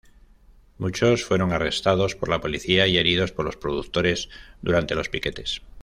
Muchos fueron arrestados por la policía y heridos por los productores durante los piquetes.